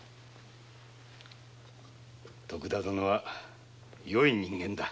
徳田殿はよい人だ。